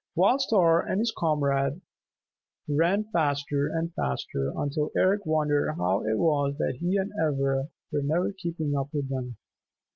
Wild Star and his comrade ran faster and faster, until Eric wondered how it was that he and Ivra were ever keeping up with them.